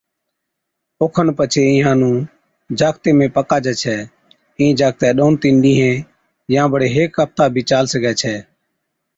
او کن پڇي اِينهان نُون جاکتي ۾ پڪاجَي ڇَي، اِين جاکتَي ڏون تِين ڏِينهين يان بڙي هيڪ ففتا بِي چال سِگھَي ڇَي۔